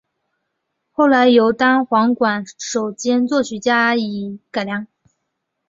后来由单簧管手兼作曲家加以改良。